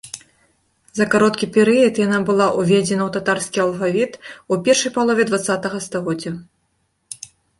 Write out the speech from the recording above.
За кароткі перыяд яна была ўведзена ў татарскі алфавіт ў першай палове дваццатага стагоддзя.